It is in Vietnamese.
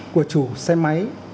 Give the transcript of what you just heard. của chủ xe máy